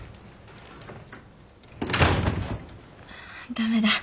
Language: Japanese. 駄目だ。